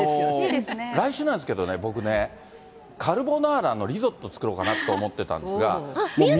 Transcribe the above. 来週なんですけどね、僕ね、カルボナーラのリゾット作ろうかなと思ってたんですが。